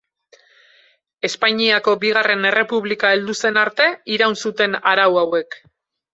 Espainiako Bigarren Errepublika heldu zen arte, iraun zuten arau hauek.